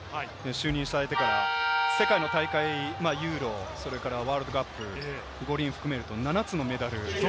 就任されてから世界の大会、ユーロ、それからワールドカップ、五輪含めると７つのメダル。